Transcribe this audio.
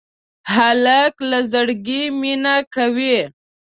هلک له زړګي مینه کوي.